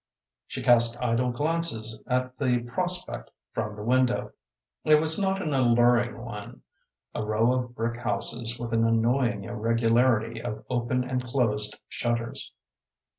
She cast idle glances at the prospect from the window. It was not an alluring one a row of brick houses with an annoying irregularity of open and closed shutters.